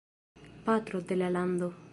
Patro de la Lando.